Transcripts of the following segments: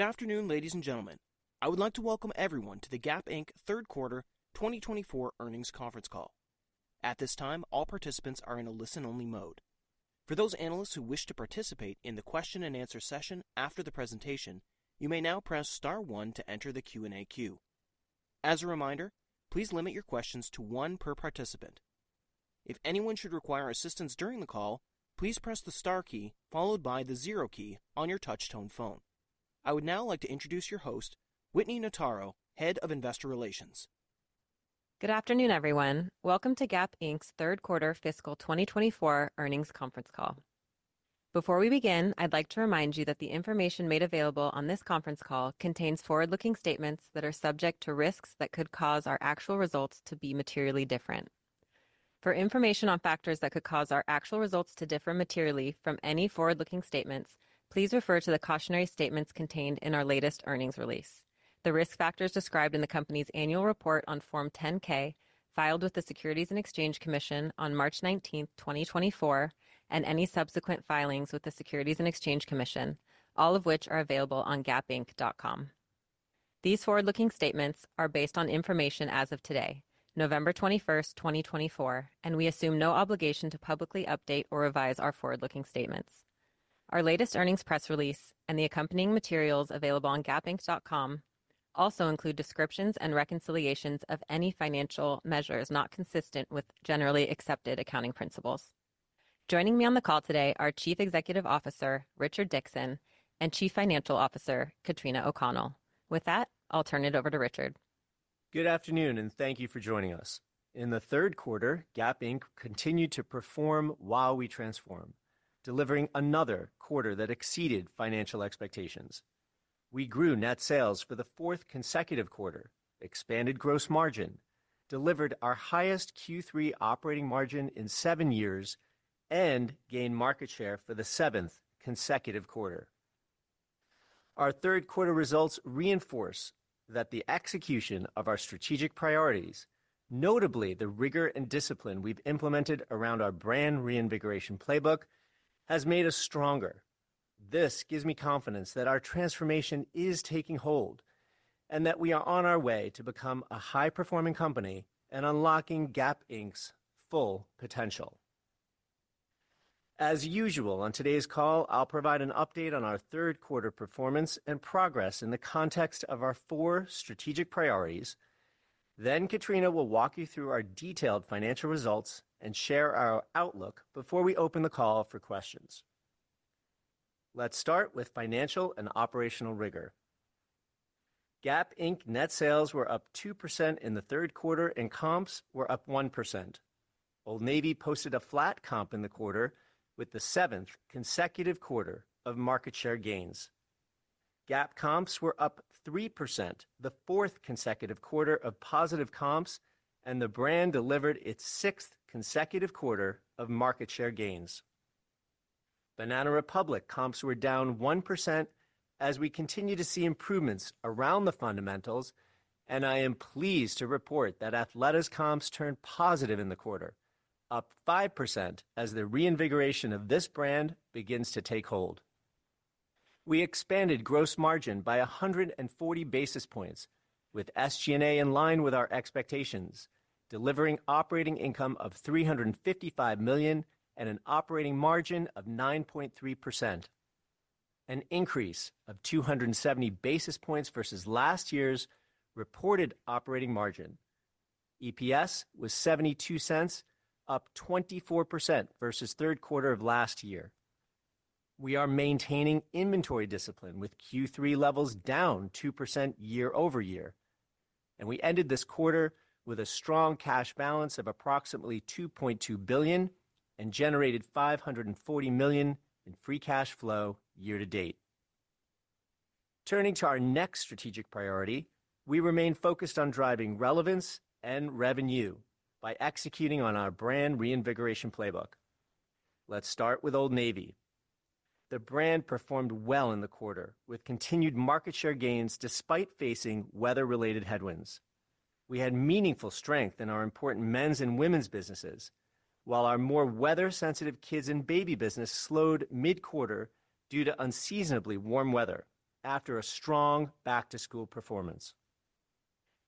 Good afternoon, ladies and gentlemen. I would like to welcome everyone to the Gap Inc. Q3 2024 Earnings Conference Call. At this time, all participants are in a listen-only mode. For those analysts who wish to participate in the question-and-answer session after the presentation, you may now press star one to enter the Q&A queue. As a reminder, please limit your questions to one per participant. If anyone should require assistance during the call, please press the star key followed by the zero key on your touch-tone phone. I would now like to introduce your host, Whitney Notaro, Head of Investor Relations. Good afternoon, everyone. Welcome to Gap Inc.'s Q3 Fiscal 2024 Earnings Conference Call. Before we begin, I'd like to remind you that the information made available on this conference call contains forward-looking statements that are subject to risks that could cause our actual results to be materially different. For information on factors that could cause our actual results to differ materially from any forward-looking statements, please refer to the cautionary statements contained in our latest earnings release, the risk factors described in the company's annual report on Form 10-K filed with the Securities and Exchange Commission on March 19, 2024, and any subsequent filings with the Securities and Exchange Commission, all of which are available on gapinc.com. These forward-looking statements are based on information as of today, November 21, 2024, and we assume no obligation to publicly update or revise our forward-looking statements. Our latest earnings press release and the accompanying materials available on gapinc.com also include descriptions and reconciliations of any financial measures not consistent with generally accepted accounting principles. Joining me on the call today are Chief Executive Officer Richard Dickson and Chief Financial Officer Katrina O'Connell. With that, I'll turn it over to Richard. Good afternoon, and thank you for joining us. In Q3, Gap Inc. continued to perform while we transform, delivering another quarter that exceeded financial expectations. We grew net sales for the fourth consecutive quarter, expanded gross margin, delivered our highest Q3 operating margin in seven years, and gained market share for the seventh consecutive quarter. Our Q3 results reinforce that the execution of our strategic priorities, notably the rigor and discipline we've implemented around our brand reinvigoration playbook, has made us stronger. This gives me confidence that our transformation is taking hold and that we are on our way to become a high-performing company and unlocking Gap Inc.'s full potential. As usual on today's call, I'll provide an update on our Q3 performance and progress in the context of our four strategic priorities. Then Katrina will walk you through our detailed financial results and share our outlook before we open the call for questions. Let's start with financial and operational rigor. Gap Inc. net sales were up 2% in Q3, and comps were up 1%. Old Navy posted a flat comp in the quarter, with the seventh consecutive quarter of market share gains. Gap comps were up 3%, the fourth consecutive quarter of positive comps, and the brand delivered its sixth consecutive quarter of market share gains. Banana Republic comps were down 1% as we continue to see improvements around the fundamentals, and I am pleased to report that Athleta's comps turned positive in the quarter, up 5% as the reinvigoration of this brand begins to take hold. We expanded gross margin by 140 basis points, with SG&A in line with our expectations, delivering operating income of $355 million and an operating margin of 9.3%, an increase of 270 basis points versus last year's reported operating margin. EPS was $0.72, up 24% versus Q3 of last year. We are maintaining inventory discipline with Q3 levels down 2% year over year, and we ended this quarter with a strong cash balance of approximately $2.2 billion and generated $540 million in free cash flow year to date. Turning to our next strategic priority, we remain focused on driving relevance and revenue by executing on our brand reinvigoration playbook. Let's start with Old Navy. The brand performed well in the quarter, with continued market share gains despite facing weather-related headwinds. We had meaningful strength in our important men's and women's businesses, while our more weather-sensitive kids and baby business slowed mid-quarter due to unseasonably warm weather after a strong back-to-school performance.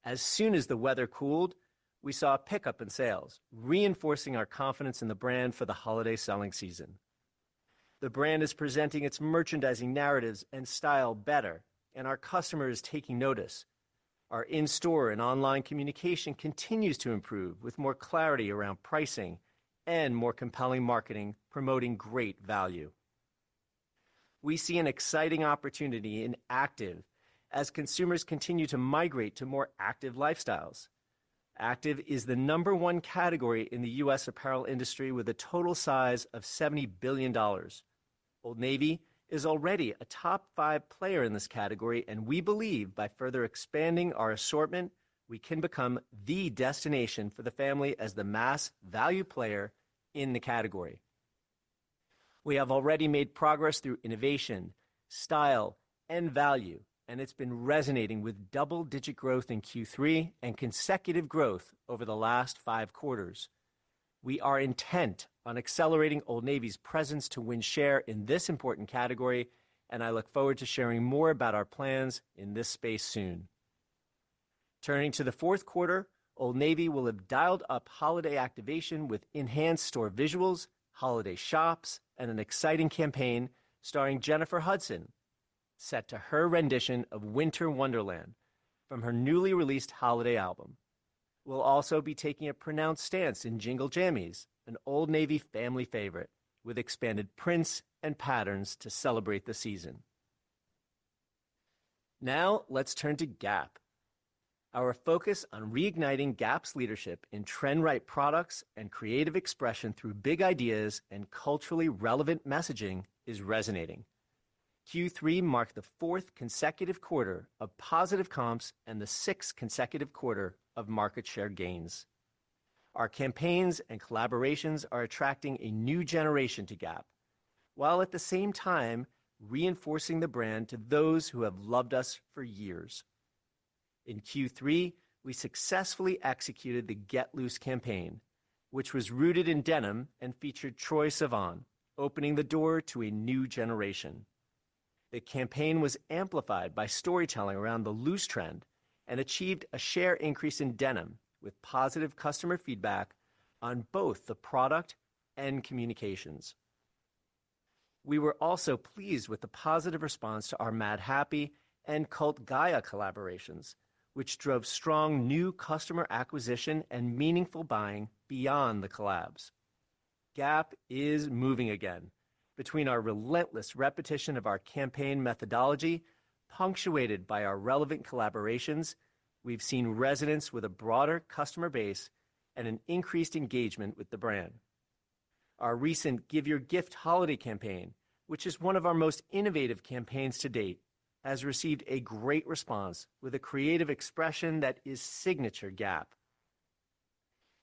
As soon as the weather cooled, we saw a pickup in sales, reinforcing our confidence in the brand for the holiday selling season. The brand is presenting its merchandising narratives and style better, and our customer is taking notice. Our in-store and online communication continues to improve, with more clarity around pricing and more compelling marketing, promoting great value. We see an exciting opportunity in active as consumers continue to migrate to more active lifestyles. Active is the number one category in the U.S. apparel industry, with a total size of $70 billion. Old Navy is already a top five player in this category, and we believe by further expanding our assortment, we can become the destination for the family as the mass value player in the category. We have already made progress through innovation, style, and value, and it's been resonating with double-digit growth in Q3 and consecutive growth over the last five quarters. We are intent on accelerating Old Navy's presence to win share in this important category, and I look forward to sharing more about our plans in this space soon. Turning to Q4, Old Navy will have dialed up holiday activation with enhanced store visuals, holiday shops, and an exciting campaign starring Jennifer Hudson, set to her rendition of "Winter Wonderland" from her newly released holiday album. We'll also be taking a pronounced stance in "Jingle Jammies," an Old Navy family favorite, with expanded prints and patterns to celebrate the season. Now let's turn to Gap. Our focus on reigniting Gap's leadership in trend-right products and creative expression through big ideas and culturally relevant messaging is resonating. Q3 marked the fourth consecutive quarter of positive comps and the sixth consecutive quarter of market share gains. Our campaigns and collaborations are attracting a new generation to Gap, while at the same time reinforcing the brand to those who have loved us for years. In Q3, we successfully executed the "Get Loose" campaign, which was rooted in denim and featured Troye Sivan, opening the door to a new generation. The campaign was amplified by storytelling around the loose trend and achieved a share increase in denim with positive customer feedback on both the product and communications. We were also pleased with the positive response to our Madhappy and Cult Gaia collaborations, which drove strong new customer acquisition and meaningful buying beyond the collabs. Gap is moving again. Between our relentless repetition of our campaign methodology, punctuated by our relevant collaborations, we've seen resonance with a broader customer base and an increased engagement with the brand. Our recent "Give Your Gift" holiday campaign, which is one of our most innovative campaigns to date, has received a great response with a creative expression that is signature Gap.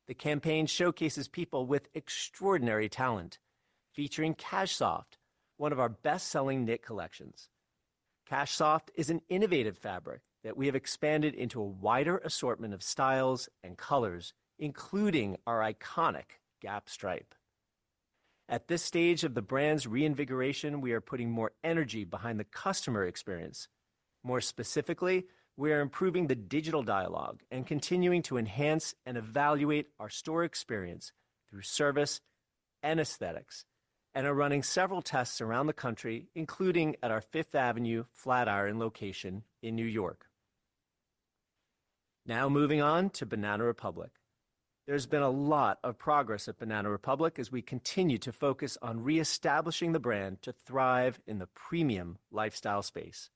The campaign showcases people with extraordinary talent, featuring CashSoft, one of our best-selling knit collections. CashSoft is an innovative fabric that we have expanded into a wider assortment of styles and colors, including our iconic Gap Stripe. At this stage of the brand's reinvigoration, we are putting more energy behind the customer experience. More specifically, we are improving the digital dialogue and continuing to enhance and evaluate our store experience through service and aesthetics, and are running several tests around the country, including at our 5th Avenue Flatiron location in New York. Now moving on to Banana Republic. There's been a lot of progress at Banana Republic as we continue to focus on reestablishing the brand to thrive in the premium lifestyle space.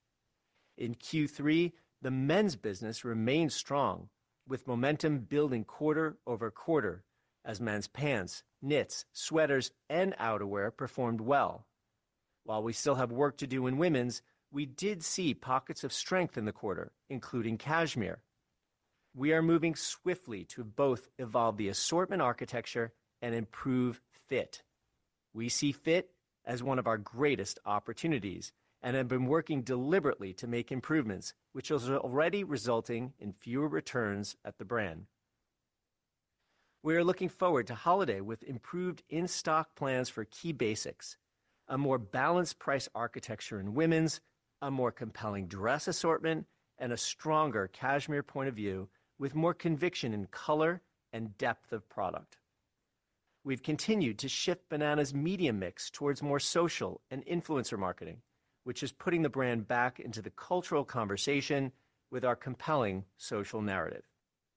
In Q3, the men's business remained strong, with momentum building quarter over quarter as men's pants, knits, sweaters, and outerwear performed well. While we still have work to do in women's, we did see pockets of strength in the quarter, including cashmere. We are moving swiftly to both evolve the assortment architecture and improve fit. We see fit as one of our greatest opportunities and have been working deliberately to make improvements, which is already resulting in fewer returns at the brand. We are looking forward to holiday with improved in-stock plans for key basics, a more balanced price architecture in women's, a more compelling dress assortment, and a stronger cashmere point of view with more conviction in color and depth of product. We've continued to shift Banana's media mix towards more social and influencer marketing, which is putting the brand back into the cultural conversation with our compelling social narrative.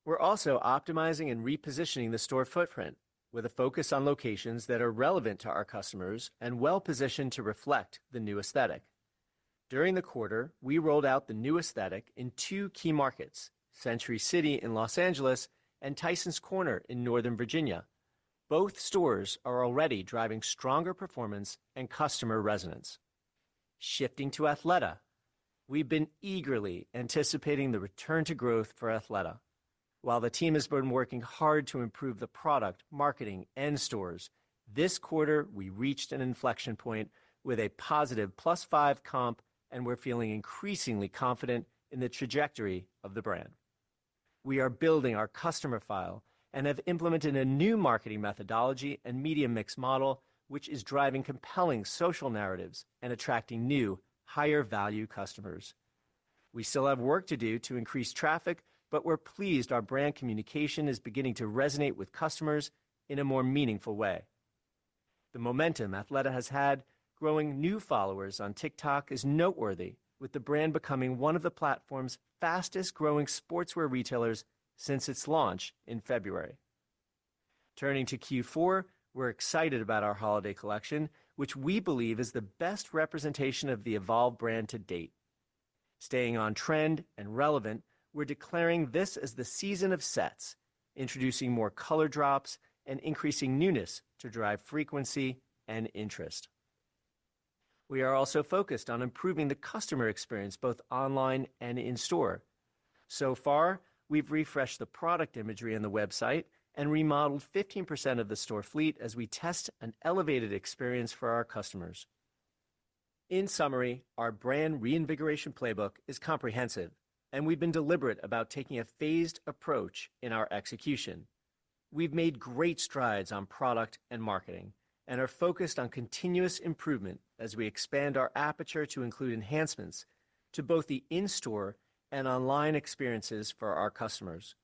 We're also optimizing and repositioning the store footprint with a focus on locations that are relevant to our customers and well-positioned to reflect the new aesthetic. During the quarter, we rolled out the new aesthetic in two key markets, Century City in Los Angeles and Tysons Corner in Northern Virginia. Both stores are already driving stronger performance and customer resonance. Shifting to Athleta, we've been eagerly anticipating the return to growth for Athleta. While the team has been working hard to improve the product, marketing, and stores, this quarter we reached an inflection point with a positive plus five comp, and we're feeling increasingly confident in the trajectory of the brand. We are building our customer file and have implemented a new marketing methodology and media mix model, which is driving compelling social narratives and attracting new, higher-value customers. We still have work to do to increase traffic, but we're pleased our brand communication is beginning to resonate with customers in a more meaningful way. The momentum Athleta has had growing new followers on TikTok is noteworthy, with the brand becoming one of the platform's fastest-growing sportswear retailers since its launch in February. Turning to Q4, we're excited about our holiday collection, which we believe is the best representation of the evolved brand to date. Staying on trend and relevant, we're declaring this as the season of sets, introducing more color drops and increasing newness to drive frequency and interest. We are also focused on improving the customer experience both online and in store. So far, we've refreshed the product imagery on the website and remodeled 15% of the store fleet as we test an elevated experience for our customers. In summary, our brand reinvigoration playbook is comprehensive, and we've been deliberate about taking a phased approach in our execution. We've made great strides on product and marketing and are focused on continuous improvement as we expand our aperture to include enhancements to both the in-store and online experiences for our customers.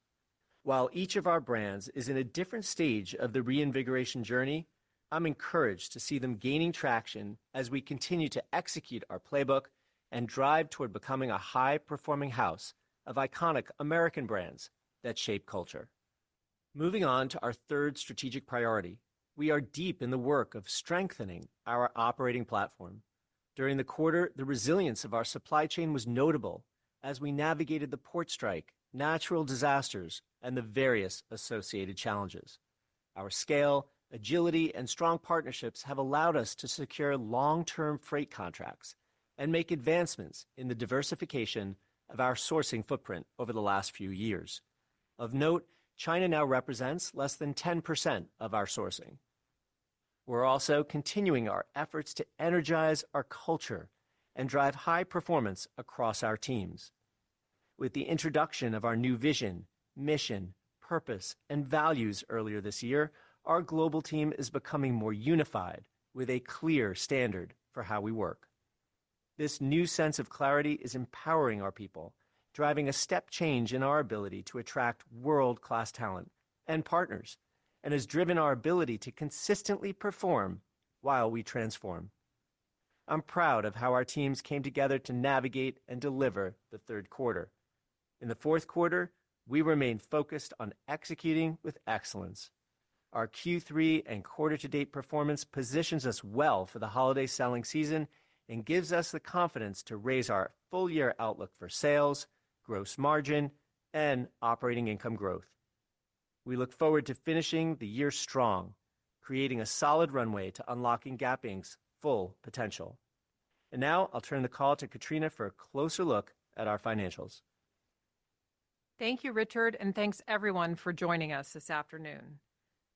While each of our brands is in a different stage of the reinvigoration journey, I'm encouraged to see them gaining traction as we continue to execute our playbook and drive toward becoming a high-performing house of iconic American brands that shape culture. Moving on to our third strategic priority, we are deep in the work of strengthening our operating platform. During the quarter, the resilience of our supply chain was notable as we navigated the port strike, natural disasters, and the various associated challenges. Our scale, agility, and strong partnerships have allowed us to secure long-term freight contracts and make advancements in the diversification of our sourcing footprint over the last few years. Of note, China now represents less than 10% of our sourcing. We're also continuing our efforts to energize our culture and drive high performance across our teams. With the introduction of our new vision, mission, purpose, and values earlier this year, our global team is becoming more unified with a clear standard for how we work. This new sense of clarity is empowering our people, driving a step change in our ability to attract world-class talent and partners, and has driven our ability to consistently perform while we transform. I'm proud of how our teams came together to navigate and deliver the third quarter. In the fourth quarter, we remain focused on executing with excellence. Our Q3 and quarter-to-date performance positions us well for the holiday selling season and gives us the confidence to raise our full-year outlook for sales, gross margin, and operating income growth. We look forward to finishing the year strong, creating a solid runway to unlocking Gap Inc.'s full potential. Now I'll turn the call to Katrina for a closer look at our financials. Thank you, Richard, and thanks everyone for joining us this afternoon.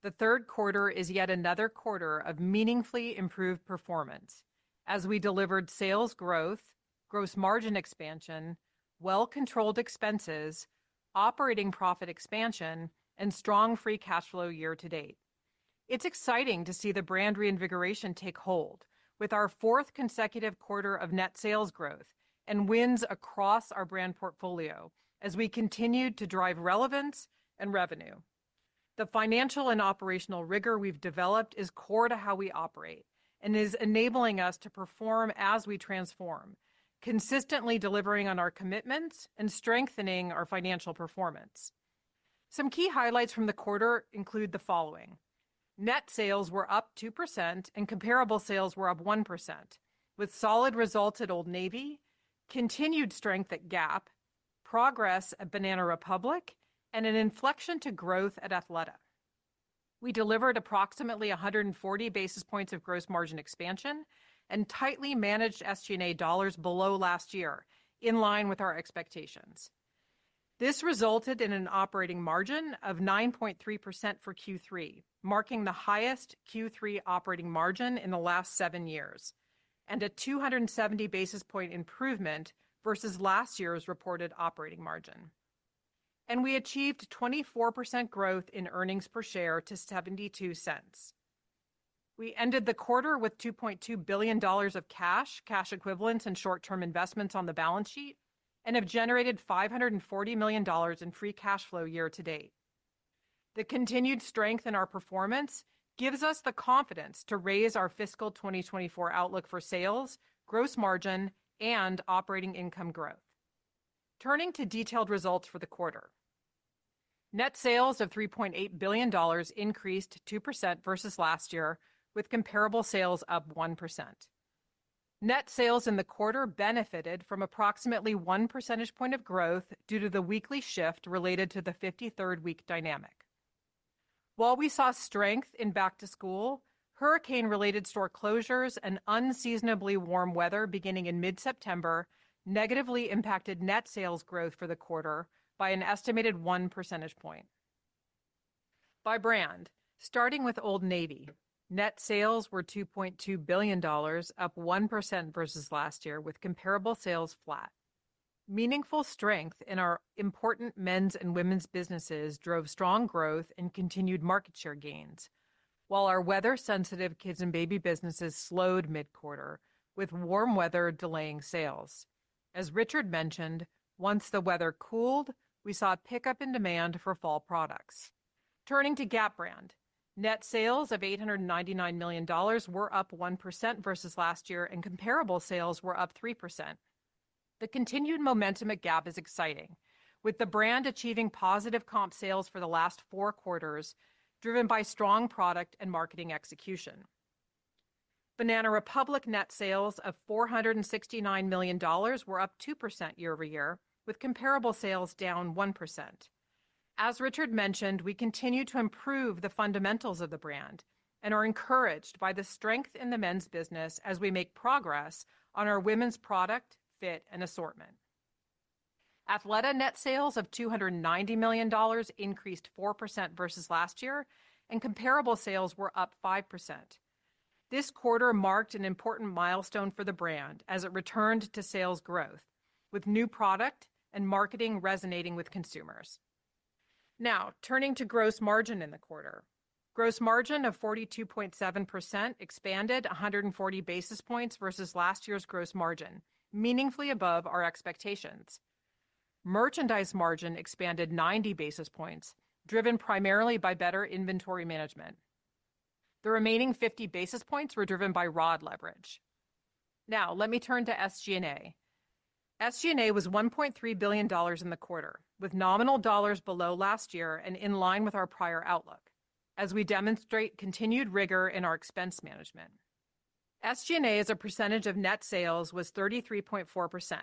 The third quarter is yet another quarter of meaningfully improved performance as we delivered sales growth, gross margin expansion, well-controlled expenses, operating profit expansion, and strong free cash flow year to date. It's exciting to see the brand reinvigoration take hold with our fourth consecutive quarter of net sales growth and wins across our brand portfolio as we continue to drive relevance and revenue. The financial and operational rigor we've developed is core to how we operate and is enabling us to perform as we transform, consistently delivering on our commitments and strengthening our financial performance. Some key highlights from the quarter include the following: net sales were up 2% and comparable sales were up 1%, with solid results at Old Navy, continued strength at Gap, progress at Banana Republic, and an inflection to growth at Athleta. We delivered approximately 140 basis points of gross margin expansion and tightly managed SG&A dollars below last year, in line with our expectations. This resulted in an operating margin of 9.3% for Q3, marking the highest Q3 operating margin in the last seven years and a 270 basis point improvement versus last year's reported operating margin, and we achieved 24% growth in earnings per share to $0.72. We ended the quarter with $2.2 billion of cash, cash equivalents, and short-term investments on the balance sheet and have generated $540 million in free cash flow year to date. The continued strength in our performance gives us the confidence to raise our fiscal 2024 outlook for sales, gross margin, and operating income growth. Turning to detailed results for the quarter, net sales of $3.8 billion increased 2% versus last year, with comparable sales up 1%. Net sales in the quarter benefited from approximately one percentage point of growth due to the weekly shift related to the 53rd week dynamic. While we saw strength in back-to-school, hurricane-related store closures and unseasonably warm weather beginning in mid-September negatively impacted net sales growth for the quarter by an estimated one percentage point. By brand, starting with Old Navy, net sales were $2.2 billion, up 1% versus last year, with comparable sales flat. Meaningful strength in our important men's and women's businesses drove strong growth and continued market share gains, while our weather-sensitive kids and baby businesses slowed mid-quarter, with warm weather delaying sales. As Richard mentioned, once the weather cooled, we saw a pickup in demand for fall products. Turning to Gap Brand, net sales of $899 million were up 1% versus last year, and comparable sales were up 3%. The continued momentum at Gap is exciting, with the brand achieving positive comp sales for the last four quarters, driven by strong product and marketing execution. Banana Republic net sales of $469 million were up 2% year over year, with comparable sales down 1%. As Richard mentioned, we continue to improve the fundamentals of the brand and are encouraged by the strength in the men's business as we make progress on our women's product, fit, and assortment. Athleta net sales of $290 million increased 4% versus last year, and comparable sales were up 5%. This quarter marked an important milestone for the brand as it returned to sales growth, with new product and marketing resonating with consumers. Now turning to gross margin in the quarter, gross margin of 42.7% expanded 140 basis points versus last year's gross margin, meaningfully above our expectations. Merchandise margin expanded 90 basis points, driven primarily by better inventory management. The remaining 50 basis points were driven by ROD leverage. Now let me turn to SG&A. SG&A was $1.3 billion in the quarter, with nominal dollars below last year and in line with our prior outlook as we demonstrate continued rigor in our expense management. SG&A's percentage of net sales was 33.4%,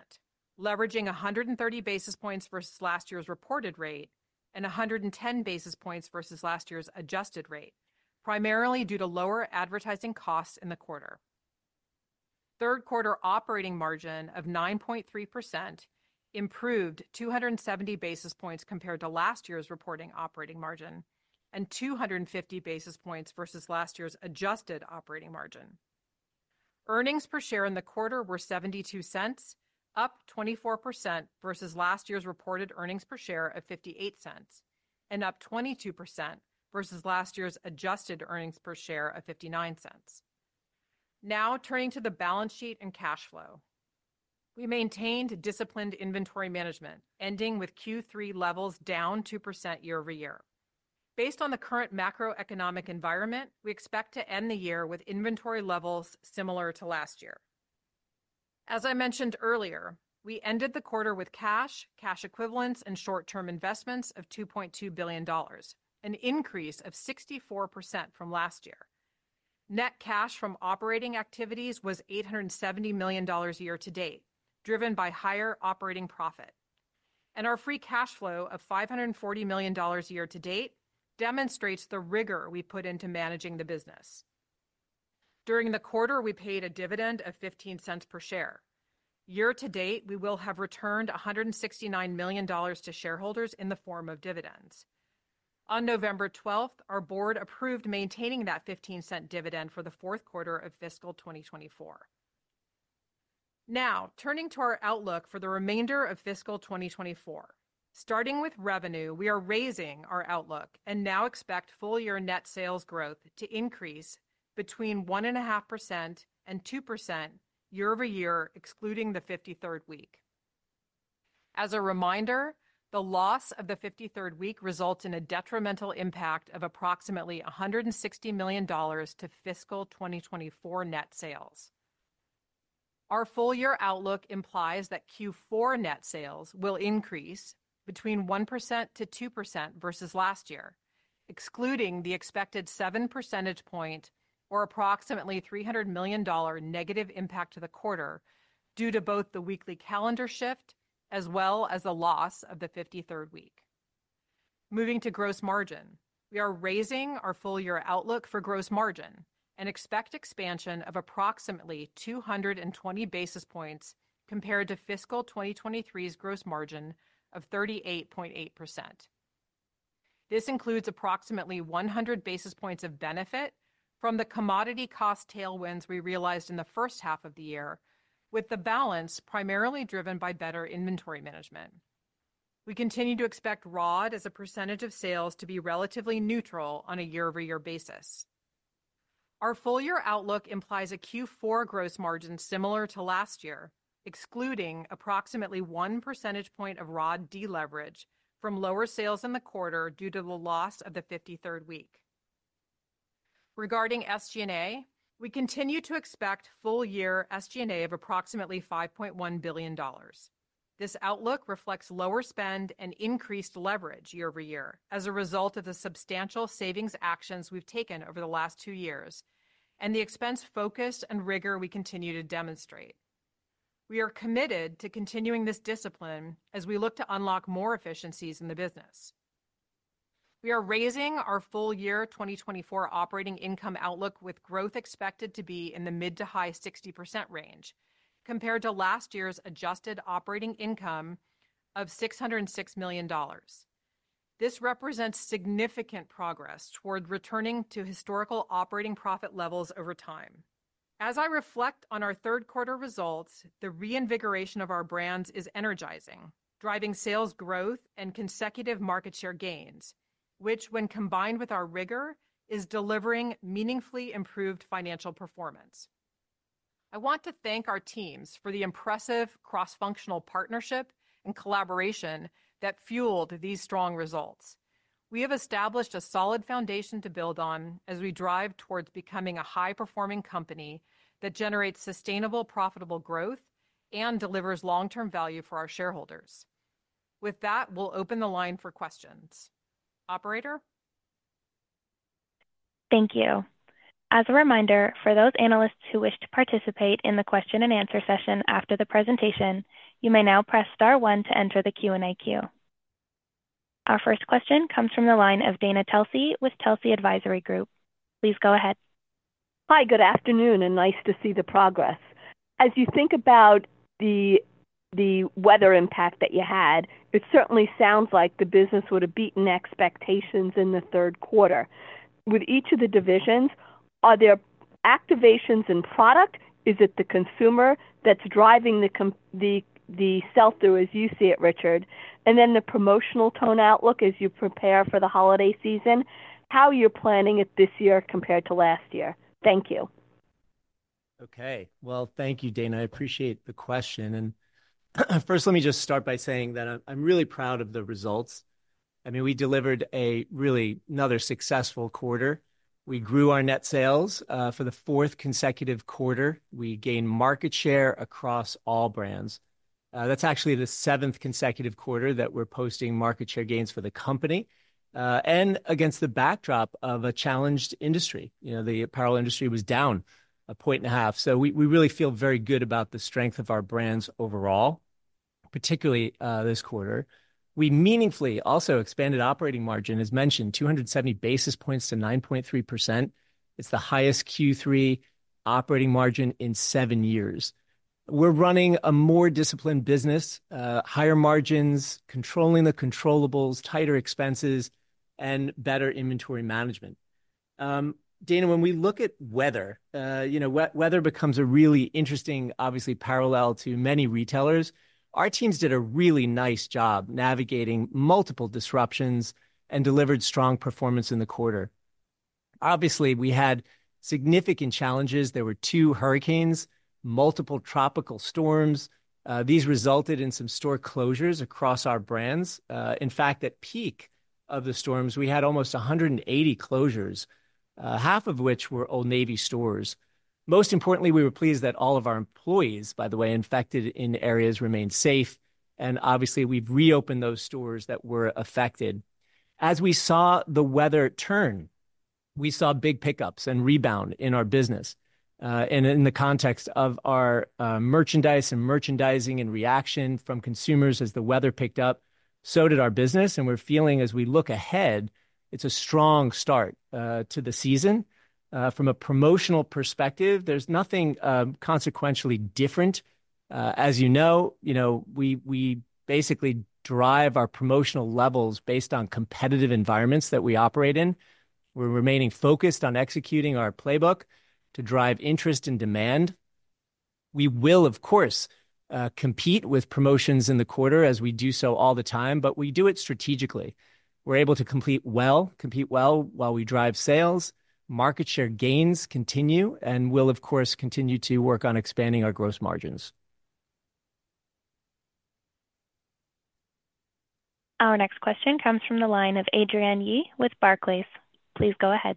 leveraging 130 basis points versus last year's reported rate and 110 basis points versus last year's adjusted rate, primarily due to lower advertising costs in the quarter. Third quarter operating margin of 9.3% improved 270 basis points compared to last year's reporting operating margin and 250 basis points versus last year's adjusted operating margin. Earnings per share in the quarter were $0.72, up 24% versus last year's reported earnings per share of $0.58 and up 22% versus last year's adjusted earnings per share of $0.59. Now turning to the balance sheet and cash flow, we maintained disciplined inventory management, ending with Q3 levels down 2% year over year. Based on the current macroeconomic environment, we expect to end the year with inventory levels similar to last year. As I mentioned earlier, we ended the quarter with cash, cash equivalents, and short-term investments of $2.2 billion, an increase of 64% from last year. Net cash from operating activities was $870 million year to date, driven by higher operating profit. Our free cash flow of $540 million year to date demonstrates the rigor we put into managing the business. During the quarter, we paid a dividend of $0.15 per share. Year to date, we will have returned $169 million to shareholders in the form of dividends. On November 12th, our board approved maintaining that $0.15 dividend for the fourth quarter of fiscal 2024. Now turning to our outlook for the remainder of fiscal 2024, starting with revenue, we are raising our outlook and now expect full-year net sales growth to increase between 1.5% and 2% year over year, excluding the 53rd week. As a reminder, the loss of the 53rd week results in a detrimental impact of approximately $160 million to fiscal 2024 net sales. Our full-year outlook implies that Q4 net sales will increase between 1% to 2% versus last year, excluding the expected 7 percentage point or approximately $300 million negative impact to the quarter due to both the weekly calendar shift as well as the loss of the 53rd week. Moving to gross margin, we are raising our full-year outlook for gross margin and expect expansion of approximately 220 basis points compared to fiscal 2023's gross margin of 38.8%. This includes approximately 100 basis points of benefit from the commodity cost tailwinds we realized in the first half of the year, with the balance primarily driven by better inventory management. We continue to expect ROD as a percentage of sales to be relatively neutral on a year-over-year basis. Our full-year outlook implies a Q4 gross margin similar to last year, excluding approximately 1 percentage point of ROD deleverage from lower sales in the quarter due to the loss of the 53rd week. Regarding SG&A, we continue to expect full-year SG&A of approximately $5.1 billion. This outlook reflects lower spend and increased leverage year over year as a result of the substantial savings actions we've taken over the last two years and the expense focus and rigor we continue to demonstrate. We are committed to continuing this discipline as we look to unlock more efficiencies in the business. We are raising our full-year 2024 operating income outlook with growth expected to be in the mid to high 60% range compared to last year's adjusted operating income of $606 million. This represents significant progress toward returning to historical operating profit levels over time. As I reflect on our third quarter results, the reinvigoration of our brands is energizing, driving sales growth and consecutive market share gains, which when combined with our rigor is delivering meaningfully improved financial performance. I want to thank our teams for the impressive cross-functional partnership and collaboration that fueled these strong results. We have established a solid foundation to build on as we drive towards becoming a high-performing company that generates sustainable, profitable growth and delivers long-term value for our shareholders. With that, we'll open the line for questions. Operator? Thank you. As a reminder, for those analysts who wish to participate in the question and answer session after the presentation, you may now press star one to enter the Q&A queue. Our first question comes from the line of Dana Telsey with Telsey Advisory Group. Please go ahead. Hi, good afternoon, and nice to see the progress. As you think about the weather impact that you had, it certainly sounds like the business would have beaten expectations in the third quarter. With each of the divisions, are there activations in product? Is it the consumer that's driving the sell-through as you see it, Richard? And then the promotional tone outlook as you prepare for the holiday season, how you're planning it this year compared to last year? Thank you. Okay. Well, thank you, Dana. I appreciate the question. And first, let me just start by saying that I'm really proud of the results. I mean, we delivered a really another successful quarter. We grew our net sales for the fourth consecutive quarter. We gained market share across all brands. That's actually the seventh consecutive quarter that we're posting market share gains for the company and against the backdrop of a challenged industry. The apparel industry was down a point and a half. So we really feel very good about the strength of our brands overall, particularly this quarter. We meaningfully also expanded operating margin, as mentioned, 270 basis points to 9.3%. It's the highest Q3 operating margin in seven years. We're running a more disciplined business, higher margins, controlling the controllables, tighter expenses, and better inventory management. Dana, when we look at weather, weather becomes a really interesting, obviously, parallel to many retailers. Our teams did a really nice job navigating multiple disruptions and delivered strong performance in the quarter. Obviously, we had significant challenges. There were two hurricanes, multiple tropical storms. These resulted in some store closures across our brands. In fact, at peak of the storms, we had almost 180 closures, half of which were Old Navy stores. Most importantly, we were pleased that all of our employees, by the way, affected in areas remained safe, and obviously, we've reopened those stores that were affected. As we saw the weather turn, we saw big pickups and rebound in our business, and in the context of our merchandise and merchandising and reaction from consumers as the weather picked up, so did our business, and we're feeling as we look ahead, it's a strong start to the season. From a promotional perspective, there's nothing consequentially different. As you know, we basically drive our promotional levels based on competitive environments that we operate in. We're remaining focused on executing our playbook to drive interest and demand. We will, of course, compete with promotions in the quarter as we do so all the time, but we do it strategically. We're able to compete well, compete well while we drive sales. Market share gains continue and will, of course, continue to work on expanding our gross margins. Our next question comes from the line of Adrienne Yih with Barclays. Please go ahead.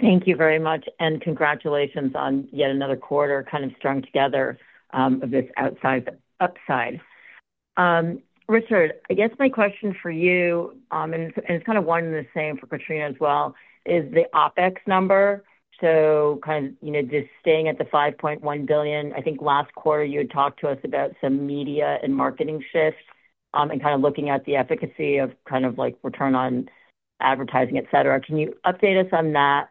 Thank you very much. And congratulations on yet another quarter kind of strung together of this outside upside. Richard, I guess my question for you, and it's kind of one and the same for Katrina as well, is the OpEx number. So kind of just staying at the $5.1 billion, I think last quarter you had talked to us about some media and marketing shifts and kind of looking at the efficacy of kind of return on advertising, etc. Can you update us on that?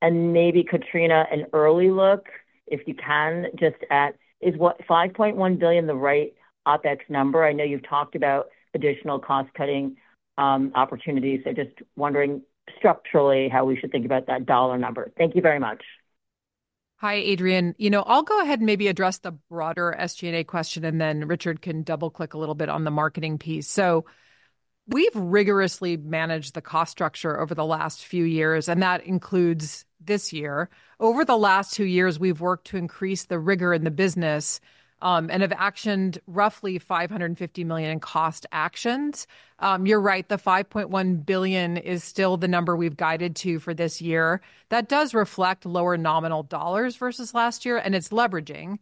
And maybe, Katrina, an early look, if you can, just at is what, $5.1 billion, the right OpEx number? I know you've talked about additional cost-cutting opportunities. I'm just wondering structurally how we should think about that dollar number? Thank you very much. Hi, Adrian. You know, I'll go ahead and maybe address the broader SG&A question, and then Richard can double-click a little bit on the marketing piece. So we've rigorously managed the cost structure over the last few years, and that includes this year. Over the last two years, we've worked to increase the rigor in the business and have actioned roughly $550 million in cost actions. You're right, the $5.1 billion is still the number we've guided to for this year. That does reflect lower nominal dollars versus last year, and it's leveraging.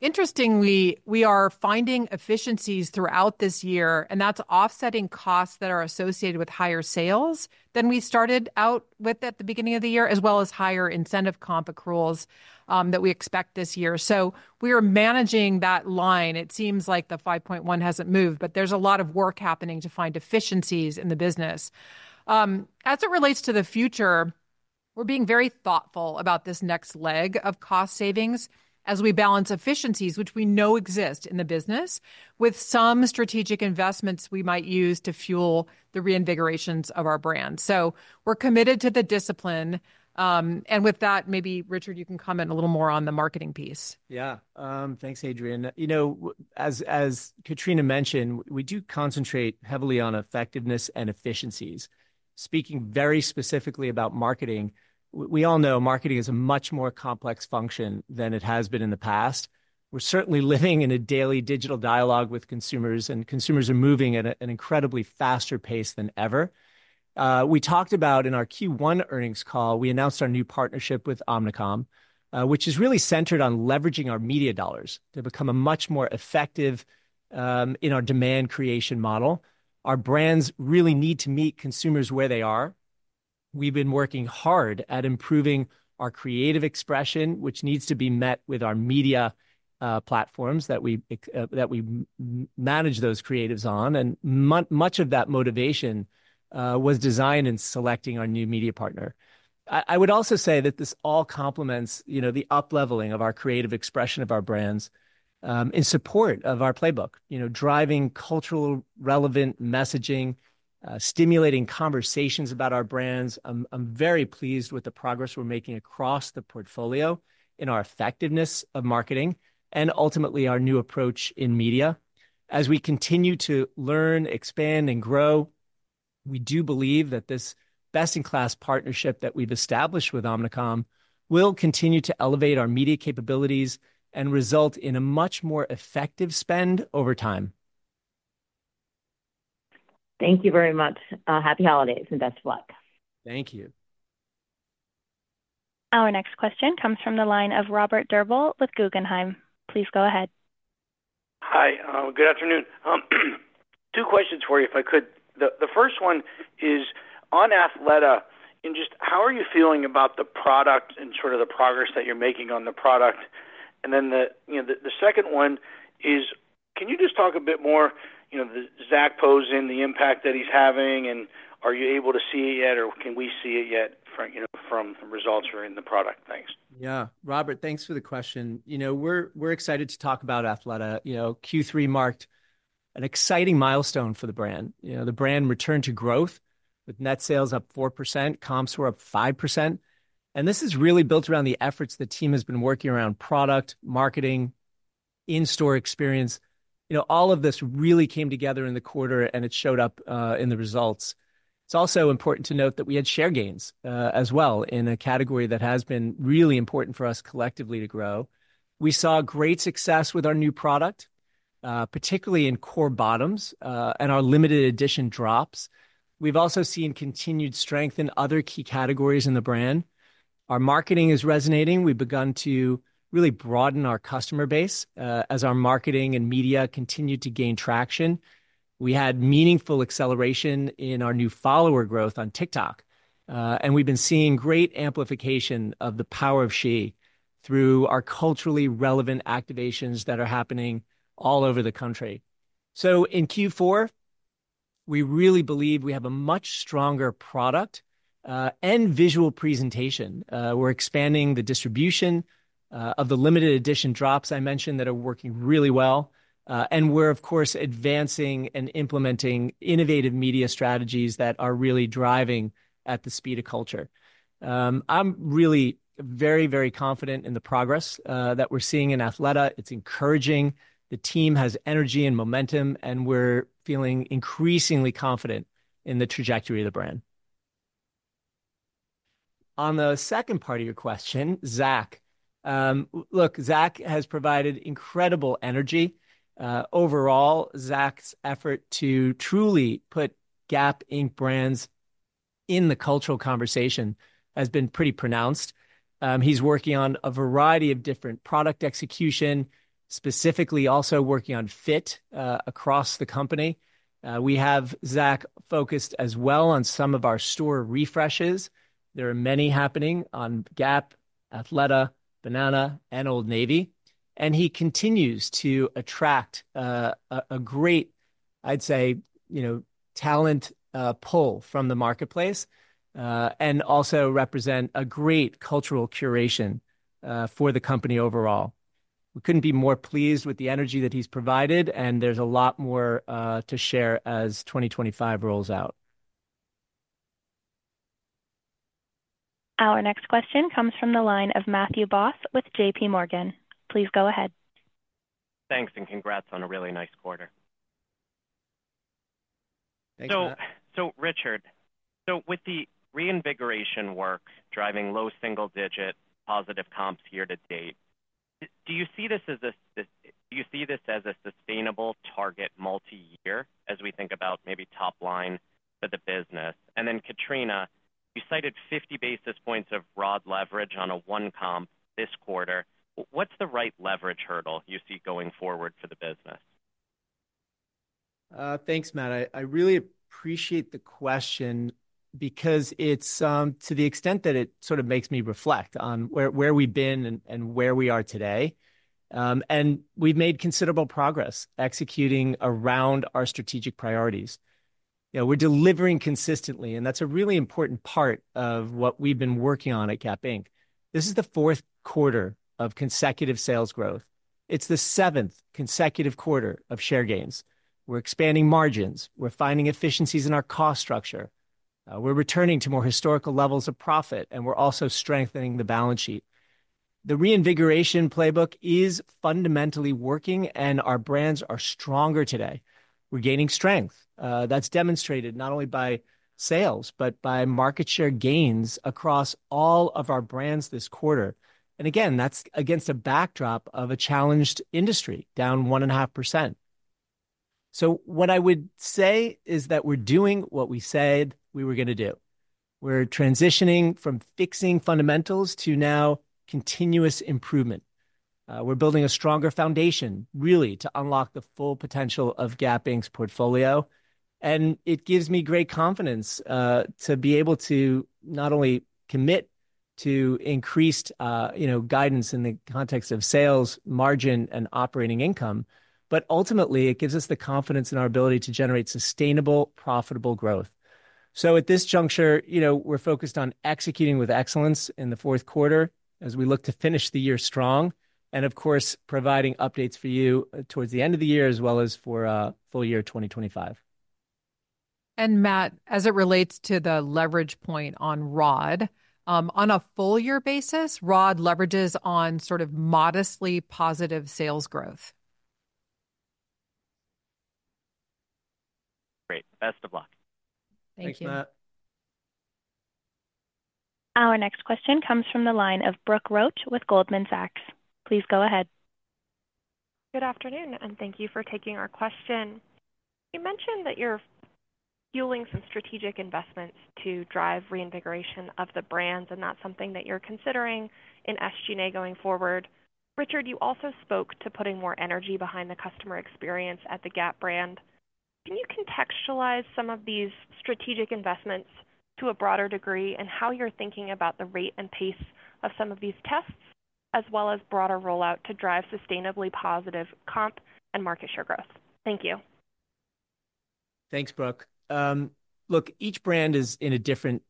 Interestingly, we are finding efficiencies throughout this year, and that's offsetting costs that are associated with higher sales than we started out with at the beginning of the year, as well as higher incentive comp accruals that we expect this year. So we are managing that line. It seems like the 5.1% hasn't moved, but there's a lot of work happening to find efficiencies in the business. As it relates to the future, we're being very thoughtful about this next leg of cost savings as we balance efficiencies, which we know exist in the business, with some strategic investments we might use to fuel the reinvigorations of our brand. So we're committed to the discipline. And with that, maybe, Richard, you can comment a little more on the marketing piece. Yeah. Thanks, Adrian. You know, as Katrina mentioned, we do concentrate heavily on effectiveness and efficiencies. Speaking very specifically about marketing, we all know marketing is a much more complex function than it has been in the past. We're certainly living in a daily digital dialogue with consumers, and consumers are moving at an incredibly faster pace than ever. We talked about in our Q1 earnings call. We announced our new partnership with Omnicom, which is really centered on leveraging our media dollars to become a much more effective in our demand creation model. Our brands really need to meet consumers where they are. We've been working hard at improving our creative expression, which needs to be met with our media platforms that we manage those creatives on. Much of that motivation was designed in selecting our new media partner. I would also say that this all complements the upleveling of our creative expression of our brands in support of our playbook, driving cultural relevant messaging, stimulating conversations about our brands. I'm very pleased with the progress we're making across the portfolio in our effectiveness of marketing and ultimately our new approach in media. As we continue to learn, expand, and grow, we do believe that this best-in-class partnership that we've established with Omnicom will continue to elevate our media capabilities and result in a much more effective spend over time. Thank you very much. Happy holidays and best of luck. Thank you. Our next question comes from the line of Robert Drbul with Guggenheim. Please go ahead. Hi. Good afternoon. Two questions for you, if I could. The first one is on Athleta, and just how are you feeling about the product and sort of the progress that you're making on the product? And then the second one is, can you just talk a bit more? Zac Posen, the impact that he's having, and are you able to see it yet, or can we see it yet from results or in the product? Thanks. Yeah. Robert, thanks for the question. We're excited to talk about Athleta. Q3 marked an exciting milestone for the brand. The brand returned to growth with net sales up 4%, comps were up 5%, and this is really built around the efforts the team has been working around product, marketing, in-store experience. All of this really came together in the quarter, and it showed up in the results. It's also important to note that we had share gains as well in a category that has been really important for us collectively to grow. We saw great success with our new product, particularly in core bottoms and our limited edition drops. We've also seen continued strength in other key categories in the brand. Our marketing is resonating. We've begun to really broaden our customer base as our marketing and media continue to gain traction. We had meaningful acceleration in our new follower growth on TikTok, and we've been seeing great amplification of the Power of She through our culturally relevant activations that are happening all over the country, so in Q4, we really believe we have a much stronger product and visual presentation. We're expanding the distribution of the limited edition drops I mentioned that are working really well, and we're, of course, advancing and implementing innovative media strategies that are really driving at the speed of culture. I'm really very, very confident in the progress that we're seeing in Athleta. It's encouraging. The team has energy and momentum, and we're feeling increasingly confident in the trajectory of the brand. On the second part of your question, Zac, look, Zac has provided incredible energy. Overall, Zac's effort to truly put Gap Inc. brands in the cultural conversation has been pretty pronounced. He's working on a variety of different product execution, specifically also working on fit across the company. We have Zac focused as well on some of our store refreshes. There are many happening on Gap, Athleta, Banana, and Old Navy. And he continues to attract a great, I'd say, talent pull from the marketplace and also represent a great cultural curation for the company overall. We couldn't be more pleased with the energy that he's provided, and there's a lot more to share as 2025 rolls out. Our next question comes from the line of Matthew Boss with JPMorgan. Please go ahead. Thanks, and congrats on a really nice quarter. Thank you. So, Richard, so with the reinvigoration work driving low single-digit positive comps year to date, do you see this as a sustainable target multi-year as we think about maybe top line for the business? And then, Katrina, you cited 50 basis points of broad leverage on a one comp this quarter. What's the right leverage hurdle you see going forward for the business? Thanks, Matt. I really appreciate the question because it's to the extent that it sort of makes me reflect on where we've been and where we are today. And we've made considerable progress executing around our strategic priorities. We're delivering consistently, and that's a really important part of what we've been working on at Gap Inc. This is the fourth quarter of consecutive sales growth. It's the seventh consecutive quarter of share gains. We're expanding margins. We're finding efficiencies in our cost structure. We're returning to more historical levels of profit, and we're also strengthening the balance sheet. The reinvigoration playbook is fundamentally working, and our brands are stronger today. We're gaining strength. That's demonstrated not only by sales, but by market share gains across all of our brands this quarter. And again, that's against a backdrop of a challenged industry down 1.5%. So what I would say is that we're doing what we said we were going to do. We're transitioning from fixing fundamentals to now continuous improvement. We're building a stronger foundation, really, to unlock the full potential of Gap Inc.'s portfolio. And it gives me great confidence to be able to not only commit to increased guidance in the context of sales, margin, and operating income, but ultimately, it gives us the confidence in our ability to generate sustainable, profitable growth. So at this juncture, we're focused on executing with excellence in the fourth quarter as we look to finish the year strong and, of course, providing updates for you towards the end of the year as well as for full year 2025. And Matt, as it relates to the leverage point on ROD, on a full year basis, ROD leverages on sort of modestly positive sales growth. Great. Best of luck. Thank you. Thanks, Matt. Our next question comes from the line of Brooke Roach with Goldman Sachs. Please go ahead. Good afternoon, and thank you for taking our question. You mentioned that you're fueling some strategic investments to drive reinvigoration of the brand, and that's something that you're considering in SG&A going forward. Richard, you also spoke to putting more energy behind the customer experience at the Gap brand. Can you contextualize some of these strategic investments to a broader degree and how you're thinking about the rate and pace of some of these tests as well as broader rollout to drive sustainably positive comp and market share growth? Thank you. Thanks, Brooke. Look, each brand is in a different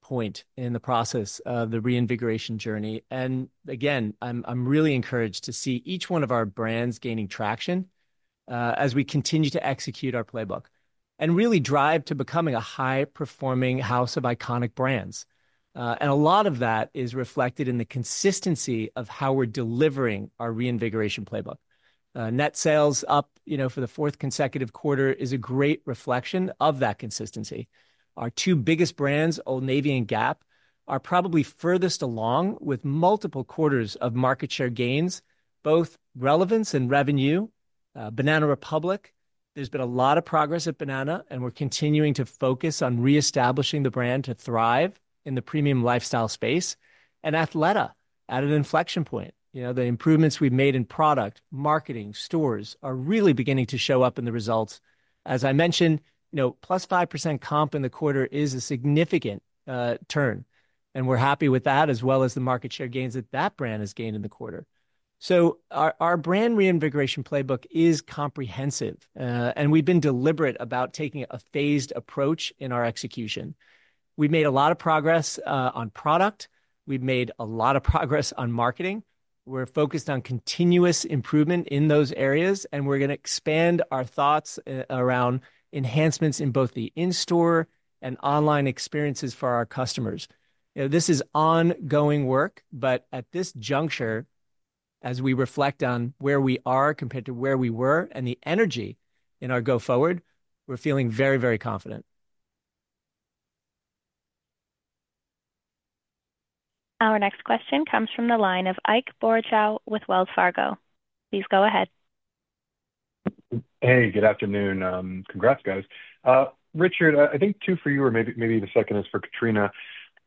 point in the process of the reinvigoration journey. Again, I'm really encouraged to see each one of our brands gaining traction as we continue to execute our playbook and really drive to becoming a high-performing house of iconic brands. A lot of that is reflected in the consistency of how we're delivering our reinvigoration playbook. Net sales up for the fourth consecutive quarter is a great reflection of that consistency. Our two biggest brands, Old Navy and Gap, are probably furthest along with multiple quarters of market share gains, both relevance and revenue. Banana Republic, there's been a lot of progress at Banana, and we're continuing to focus on reestablishing the brand to thrive in the premium lifestyle space, and Athleta at an inflection point. The improvements we've made in product, marketing, stores are really beginning to show up in the results. As I mentioned, plus 5% comp in the quarter is a significant turn, and we're happy with that as well as the market share gains that that brand has gained in the quarter. So our brand reinvigoration playbook is comprehensive, and we've been deliberate about taking a phased approach in our execution. We've made a lot of progress on product. We've made a lot of progress on marketing. We're focused on continuous improvement in those areas, and we're going to expand our thoughts around enhancements in both the in-store and online experiences for our customers. This is ongoing work, but at this juncture, as we reflect on where we are compared to where we were and the energy in our go-forward, we're feeling very, very confident. Our next question comes from the line of Ike Boruchow with Wells Fargo. Please go ahead. Hey, good afternoon. Congrats, guys. Richard, I think two for you or maybe the second is for Katrina.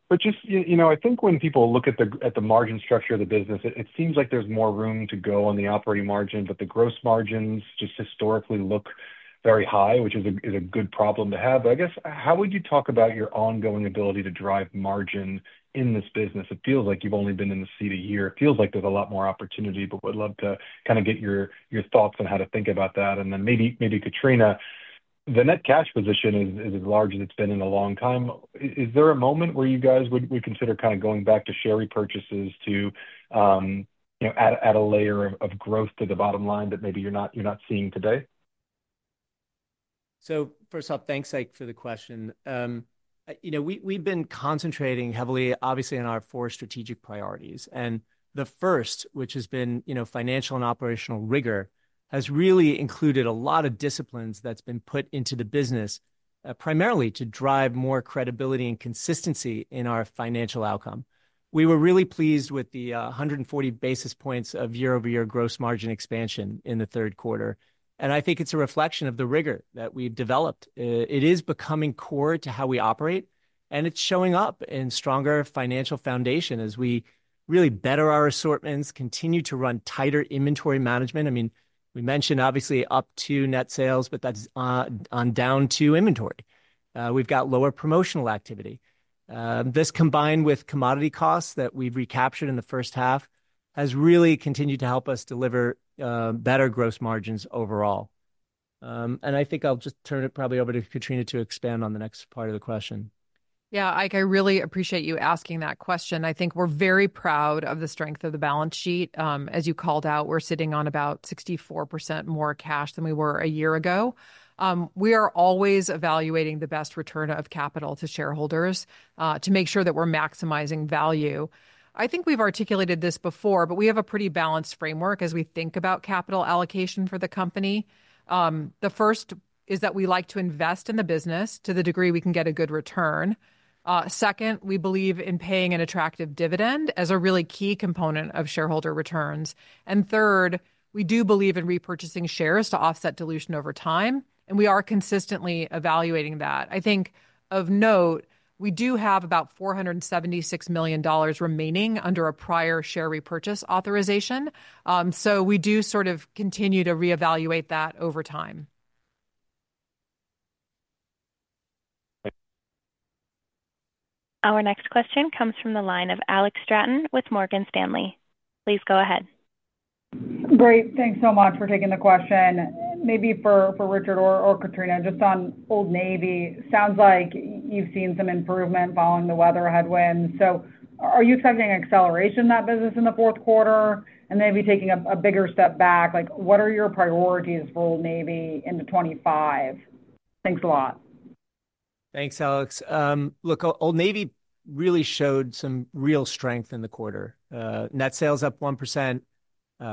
But just, you know, I think when people look at the margin structure of the business, it seems like there's more room to go on the operating margin, but the gross margins just historically look very high, which is a good problem to have. But I guess, how would you talk about your ongoing ability to drive margin in this business? It feels like you've only been in the seat a year. It feels like there's a lot more opportunity, but would love to kind of get your thoughts on how to think about that. And then maybe Katrina, the net cash position is as large as it's been in a long time. Is there a moment where you guys would consider kind of going back to share repurchases to add a layer of growth to the bottom line that maybe you're not seeing today? So first off, thanks, Ike, for the question. We've been concentrating heavily, obviously, on our four strategic priorities. And the first, which has been financial and operational rigor, has really included a lot of disciplines that's been put into the business primarily to drive more credibility and consistency in our financial outcome. We were really pleased with the 140 basis points of year-over-year gross margin expansion in the third quarter. And I think it's a reflection of the rigor that we've developed. It is becoming core to how we operate, and it's showing up in stronger financial foundation as we really better our assortments, continue to run tighter inventory management. I mean, we mentioned, obviously, up to net sales, but that's on down to inventory. We've got lower promotional activity. This combined with commodity costs that we've recaptured in the first half has really continued to help us deliver better gross margins overall. And I think I'll just turn it probably over to Katrina to expand on the next part of the question. Yeah, I really appreciate you asking that question. I think we're very proud of the strength of the balance sheet. As you called out, we're sitting on about 64% more cash than we were a year ago. We are always evaluating the best return of capital to shareholders to make sure that we're maximizing value. I think we've articulated this before, but we have a pretty balanced framework as we think about capital allocation for the company. The first is that we like to invest in the business to the degree we can get a good return. Second, we believe in paying an attractive dividend as a really key component of shareholder returns. And third, we do believe in repurchasing shares to offset dilution over time, and we are consistently evaluating that. I think of note, we do have about $476 million remaining under a prior share repurchase authorization. So we do sort of continue to reevaluate that over time. Our next question comes from the line of Alex Straton with Morgan Stanley. Please go ahead. Great. Thanks so much for taking the question. Maybe for Richard or Katrina, just on Old Navy, sounds like you've seen some improvement following the weather headwinds. So are you expecting acceleration in that business in the fourth quarter and maybe taking a bigger step back? What are your priorities for Old Navy into 2025? Thanks a lot. Thanks, Alex. Look, Old Navy really showed some real strength in the quarter. Net sales up 1%.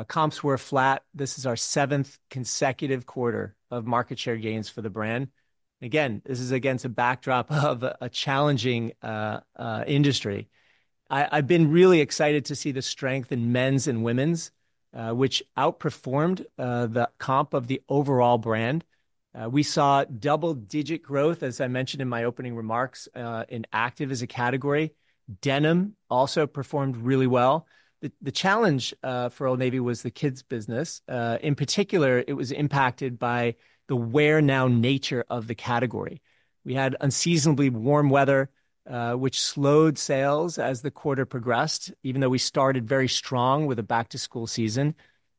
Comps were flat. This is our seventh consecutive quarter of market share gains for the brand. Again, this is against a backdrop of a challenging industry. I've been really excited to see the strength in men's and women's, which outperformed the comp of the overall brand. We saw double-digit growth, as I mentioned in my opening remarks, in active as a category. Denim also performed really well. The challenge for Old Navy was the kids' business. In particular, it was impacted by the wear-now nature of the category. We had unseasonably warm weather, which slowed sales as the quarter progressed, even though we started very strong with a back-to-school season,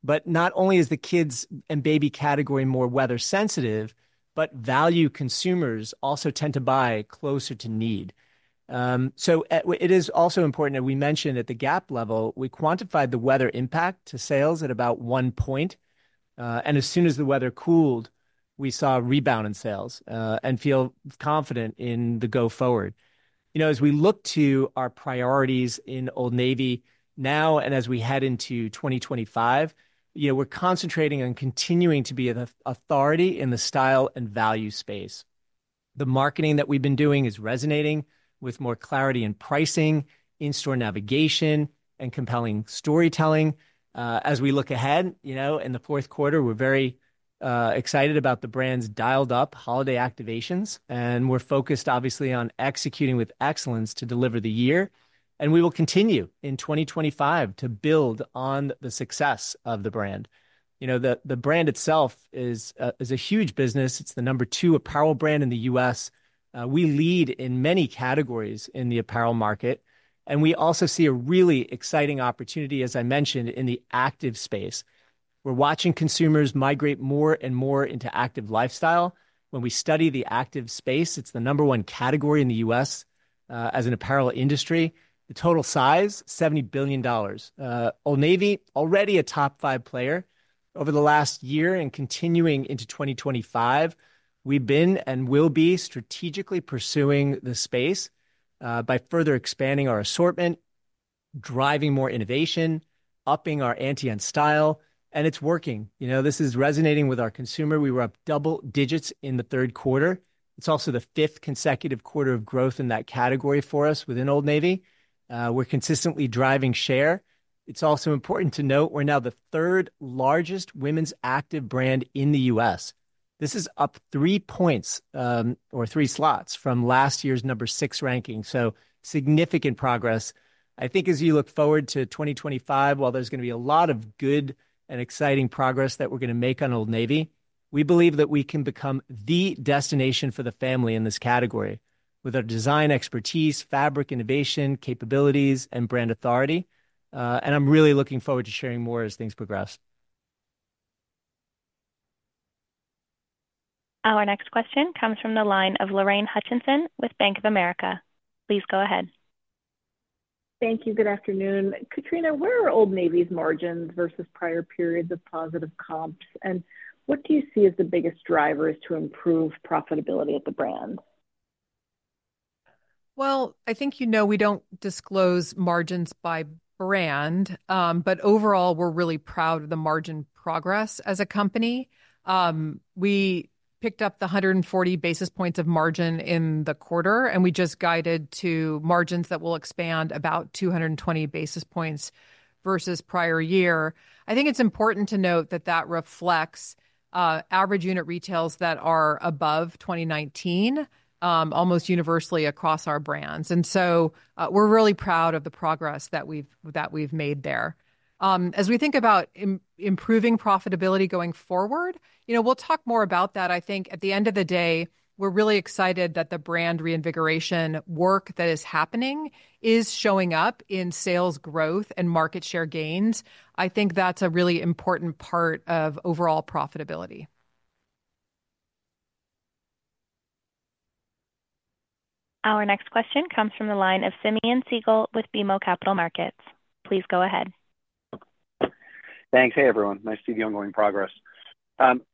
but not only is the kids' and baby category more weather-sensitive, but value consumers also tend to buy closer to need, so it is also important, and we mentioned at the Gap level, we quantified the weather impact to sales at about one point, and as soon as the weather cooled, we saw a rebound in sales and feel confident in the go-forward. As we look to our priorities in Old Navy now and as we head into 2025, we're concentrating on continuing to be an authority in the style and value space. The marketing that we've been doing is resonating with more clarity in pricing, in-store navigation, and compelling storytelling. As we look ahead in the fourth quarter, we're very excited about the brand's dialed-up holiday activations, and we're focused, obviously, on executing with excellence to deliver the year, and we will continue in 2025 to build on the success of the brand. The brand itself is a huge business. It's the number two apparel brand in the U.S. We lead in many categories in the apparel market, and we also see a really exciting opportunity, as I mentioned, in the active space. We're watching consumers migrate more and more into active lifestyle. When we study the active space, it's the number one category in the U.S. as an apparel industry. The total size, $70 billion. Old Navy, already a top five player. Over the last year and continuing into 2025, we've been and will be strategically pursuing the space by further expanding our assortment, driving more innovation, upping our on-trend style, and it's working. This is resonating with our consumer. We were up double digits in the third quarter. It's also the fifth consecutive quarter of growth in that category for us within Old Navy. We're consistently driving share. It's also important to note we're now the third largest women's active brand in the U.S. This is up three points or three slots from last year's number six ranking. So significant progress. I think as you look forward to 2025, while there's going to be a lot of good and exciting progress that we're going to make on Old Navy, we believe that we can become the destination for the family in this category with our design expertise, fabric innovation, capabilities, and brand authority. And I'm really looking forward to sharing more as things progress. Our next question comes from the line of Lorraine Hutchinson with Bank of America. Please go ahead. Thank you. Good afternoon. Katrina, where are Old Navy's margins versus prior periods of positive comps? And what do you see as the biggest drivers to improve profitability at the brand? Well, I think you know we don't disclose margins by brand, but overall, we're really proud of the margin progress as a company. We picked up the 140 basis points of margin in the quarter, and we just guided to margins that will expand about 220 basis points versus prior year. I think it's important to note that that reflects average unit retails that are above 2019 almost universally across our brands, and so we're really proud of the progress that we've made there. As we think about improving profitability going forward, we'll talk more about that. I think at the end of the day, we're really excited that the brand reinvigoration work that is happening is showing up in sales growth and market share gains. I think that's a really important part of overall profitability. Our next question comes from the line of Simeon Siegel with BMO Capital Markets. Please go ahead. Thanks. Hey, everyone. Nice to see the ongoing progress.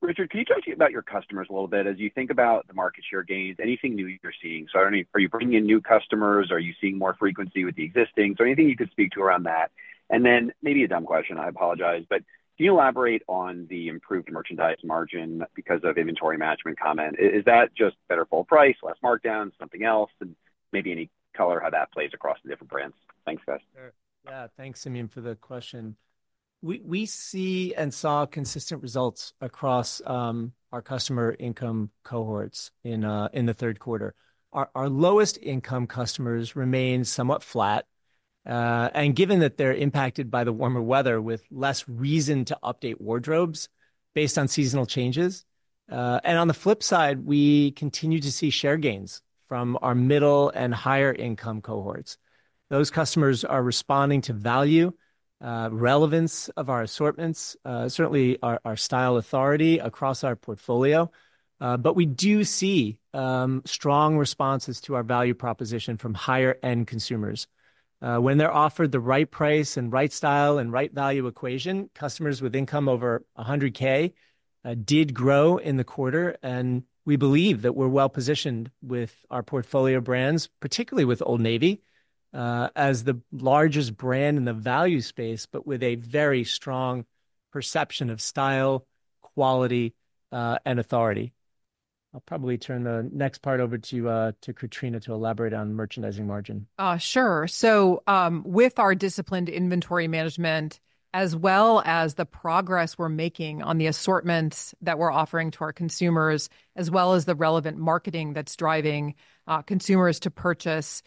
Richard, can you talk to us about your customers a little bit as you think about the market share gains, anything new you're seeing? So are you bringing in new customers? Are you seeing more frequency with the existing? So anything you could speak to around that? And then maybe a dumb question, I apologize, but can you elaborate on the improved merchandise margin because of inventory management comment? Is that just better full price, less markdowns, something else? And maybe any color how that plays across the different brands. Thanks, guys. Yeah, thanks, Simeon, for the question. We see and saw consistent results across our customer income cohorts in the third quarter. Our lowest income customers remain somewhat flat. Given that they're impacted by the warmer weather with less reason to update wardrobes based on seasonal changes. On the flip side, we continue to see share gains from our middle and higher income cohorts. Those customers are responding to value, relevance of our assortments, certainly our style authority across our portfolio. But we do see strong responses to our value proposition from higher-end consumers. When they're offered the right price and right style and right value equation, customers with income over 100K did grow in the quarter. We believe that we're well-positioned with our portfolio brands, particularly with Old Navy as the largest brand in the value space, but with a very strong perception of style, quality, and authority. I'll probably turn the next part over to Katrina to elaborate on merchandise margin. Sure. So with our disciplined inventory management, as well as the progress we're making on the assortments that we're offering to our consumers, as well as the relevant marketing that's driving consumers to purchase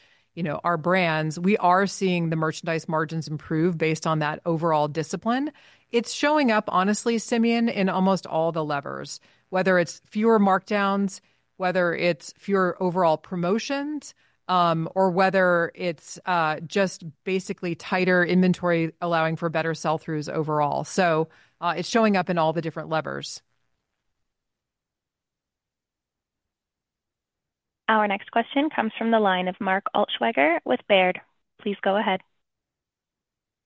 our brands, we are seeing the merchandise margins improve based on that overall discipline. It's showing up, honestly, Simeon, in almost all the levers, whether it's fewer markdowns, whether it's fewer overall promotions, or whether it's just basically tighter inventory allowing for better sell-throughs overall. So it's showing up in all the different levers. Our next question comes from the line of Mark Altschwager with Baird. Please go ahead.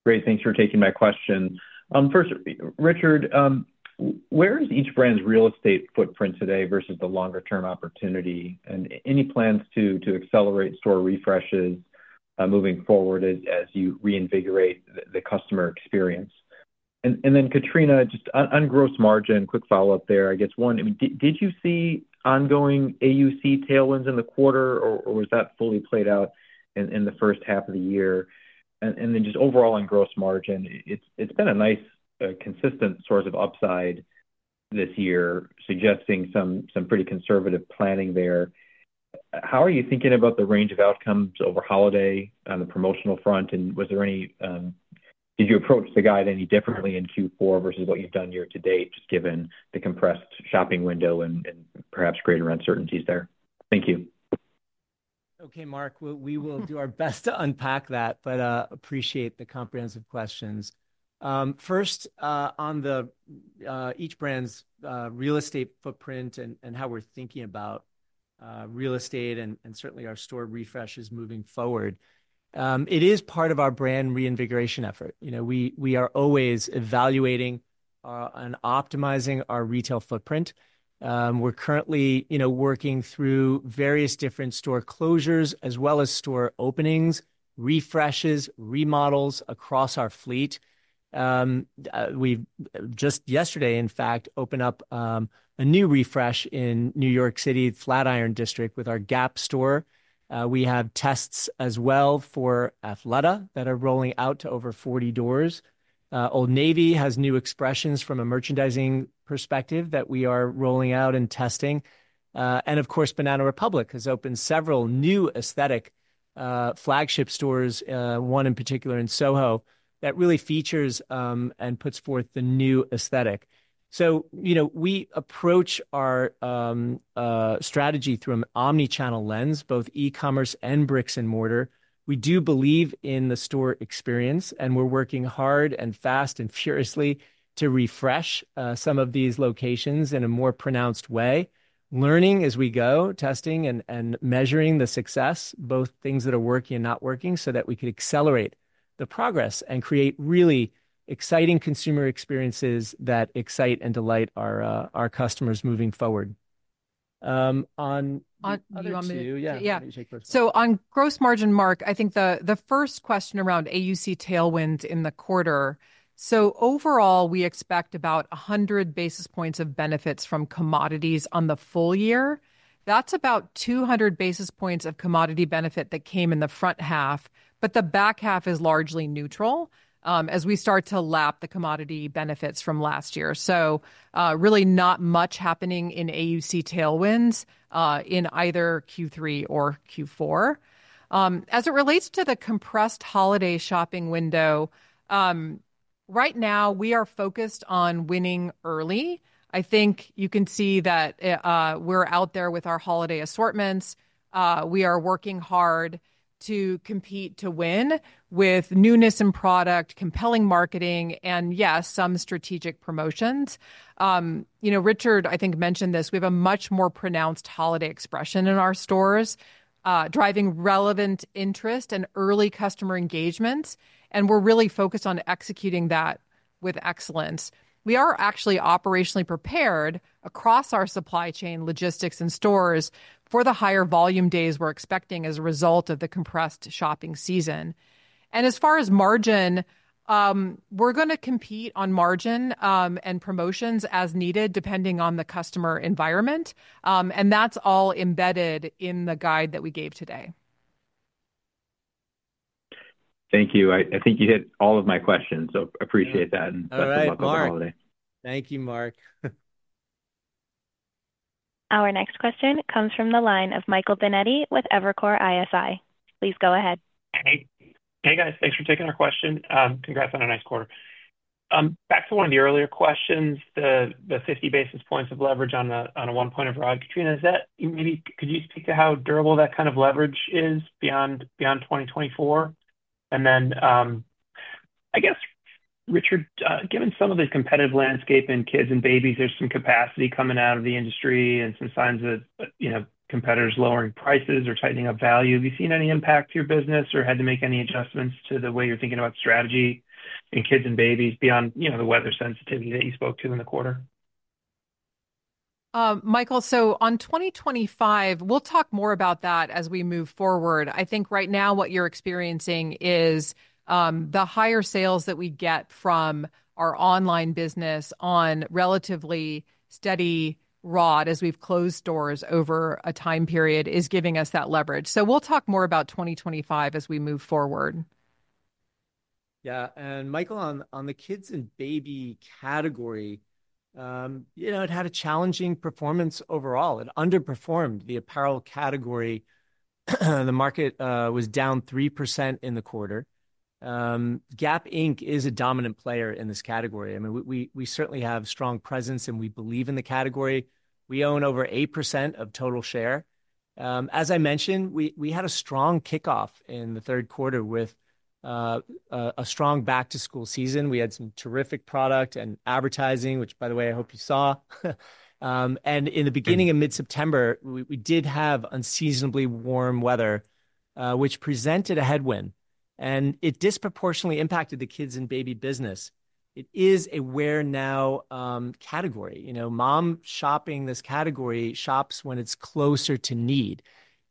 Great. Thanks for taking my question. First, Richard, where is each brand's real estate footprint today versus the longer-term opportunity? And any plans to accelerate store refreshes moving forward as you reinvigorate the customer experience? And then, Katrina, just on gross margin, quick follow-up there. I guess one, did you see ongoing AUC tailwinds in the quarter, or was that fully played out in the first half of the year? And then just overall on gross margin, it's been a nice, consistent source of upside this year, suggesting some pretty conservative planning there. How are you thinking about the range of outcomes over holiday on the promotional front? And did you approach the guide any differently in Q4 versus what you've done year to date, just given the compressed shopping window and perhaps greater uncertainties there? Thank you. Okay, Mark, we will do our best to unpack that, but appreciate the comprehensive questions. First, on each brand's real estate footprint and how we're thinking about real estate and certainly our store refreshes moving forward, it is part of our brand reinvigoration effort. We are always evaluating and optimizing our retail footprint. We're currently working through various different store closures as well as store openings, refreshes, remodels across our fleet. We just yesterday, in fact, opened up a new refresh in New York City, Flatiron District, with our Gap store. We have tests as well for Athleta that are rolling out to over 40 doors. Old Navy has new expressions from a merchandising perspective that we are rolling out and testing, and of course, Banana Republic has opened several new aesthetic flagship stores, one in particular in SoHo that really features and puts forth the new aesthetic, so we approach our strategy through an omnichannel lens, both e-commerce and bricks and mortar. We do believe in the store experience, and we're working hard and fast and furiously to refresh some of these locations in a more pronounced way, learning as we go, testing and measuring the success, both things that are working and not working so that we could accelerate the progress and create really exciting consumer experiences that excite and delight our customers moving forward. On other questions. Yeah, yeah. So on gross margin, Mark, I think the first question around AUC tailwinds in the quarter. So overall, we expect about 100 basis points of benefits from commodities on the full year. That's about 200 basis points of commodity benefit that came in the front half, but the back half is largely neutral as we start to lap the commodity benefits from last year. So really not much happening in AUC tailwinds in either Q3 or Q4. As it relates to the compressed holiday shopping window, right now we are focused on winning early. I think you can see that we're out there with our holiday assortments. We are working hard to compete to win with newness in product, compelling marketing, and yes, some strategic promotions. Richard, I think, mentioned this. We have a much more pronounced holiday expression in our stores, driving relevant interest and early customer engagements, and we're really focused on executing that with excellence. We are actually operationally prepared across our supply chain, logistics, and stores for the higher volume days we're expecting as a result of the compressed shopping season, and as far as margin, we're going to compete on margin and promotions as needed depending on the customer environment. And that's all embedded in the guide that we gave today. Thank you. I think you hit all of my questions. So, appreciate that and best of luck with the holiday. Thank you, Mark. Our next question comes from the line of Michael Binetti with Evercore ISI. Please go ahead. Hey, guys. Thanks for taking our question. Congrats on a nice quarter. Back to one of the earlier questions, the 50 basis points of leverage on a one-point override. Katrina, could you speak to how durable that kind of leverage is beyond 2024? And then I guess, Richard, given some of the competitive landscape in kids and babies, there's some capacity coming out of the industry and some signs of competitors lowering prices or tightening up value. Have you seen any impact to your business or had to make any adjustments to the way you're thinking about strategy in kids and babies beyond the weather sensitivity that you spoke to in the quarter? Michael, so on 2025, we'll talk more about that as we move forward. I think right now what you're experiencing is the higher sales that we get from our online business on relatively steady ROD as we've closed doors over a time period is giving us that leverage. So we'll talk more about 2025 as we move forward. Yeah. And Michael, on the kids and baby category, it had a challenging performance overall. It underperformed the apparel category. The market was down 3% in the quarter. Gap Inc. is a dominant player in this category. I mean, we certainly have strong presence and we believe in the category. We own over 8% of total share. As I mentioned, we had a strong kickoff in the third quarter with a strong back-to-school season. We had some terrific product and advertising, which, by the way, I hope you saw. In the beginning of mid-September, we did have unseasonably warm weather, which presented a headwind. It disproportionately impacted the kids and baby business. It is a wear-now category. Mom shopping this category shops when it's closer to need.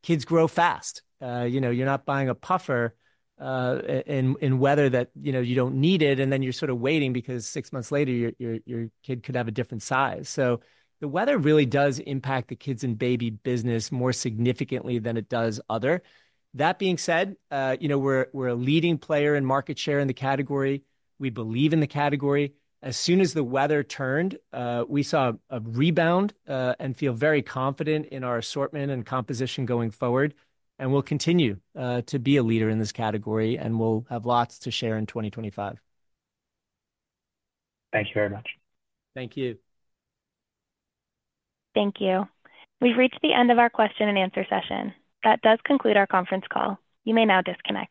Kids grow fast. You're not buying a puffer in weather that you don't need it, and then you're sort of waiting because six months later, your kid could have a different size. The weather really does impact the kids and baby business more significantly than it does other. That being said, we're a leading player in market share in the category. We believe in the category. As soon as the weather turned, we saw a rebound and feel very confident in our assortment and composition going forward. We'll continue to be a leader in this category, and we'll have lots to share in 2025. Thank you very much. Thank you. Thank you. We've reached the end of our question and answer session. That does conclude our conference call. You may now disconnect.